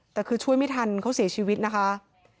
แต่คือช่วยไม่ทันเขาเสียชีวิตนะคะ